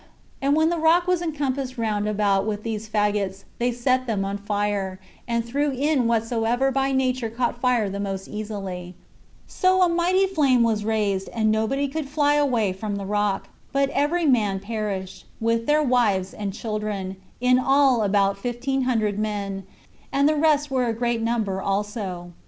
And when the rock was encompassed round about with these faggots, they set them on fire, and threw in whatsoever by nature caught fire the most easily: so a mighty flame was raised, and nobody could fly away from the rock, but every man perished, with their wives and children, in all about fifteen hundred men, and the rest were a great number also.